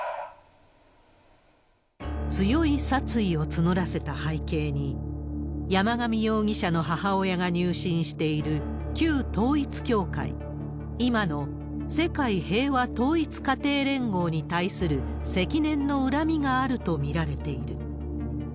強い殺意を募らせた背景に、山上容疑者の母親が入信している旧統一教会、今の世界平和統一家庭連合に対する積年の恨みがあると見られている。